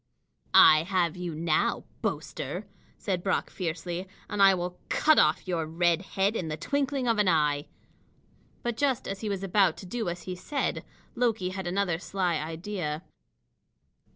"I have you now, boaster," said Brock fiercely, "and I will cut off your red head in the twinkling of an eye." But just as he was about to do as he said, Loki had another sly idea.